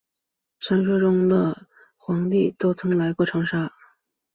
传说炎帝和黄帝都曾来过长沙。